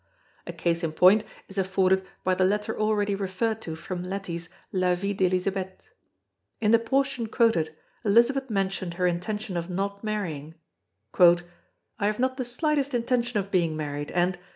A case in point is afforded by the letter already referred to from Leti's La Vie d'Elizabeth. In the portion quoted Elizabeth mentioned her intention of not marrying: "I have not the slightest intention of being married, and